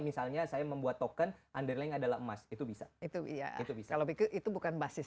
misalnya saya membuat token underling adalah emas itu bisa itu iya itu bisa lebih ke itu bukan basis